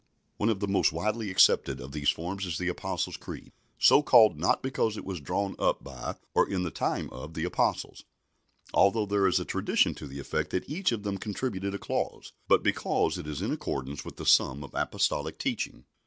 One of the most widely accepted of these forms is the Apostles' Creed, so called, not because it was drawn up by, or in the time of, the Apostles although there is a tradition to the effect that each of them contributed a clause but because it is in accordance with the sum of Apostolic teaching.